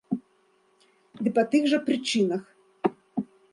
Ды па тых жа прычынах.